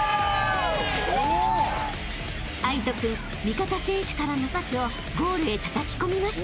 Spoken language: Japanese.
［藍仁君味方選手からのパスをゴールへたたき込みました］